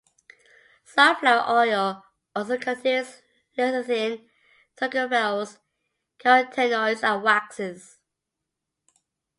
Sunflower oil also contains lecithin, tocopherols, carotenoids and waxes.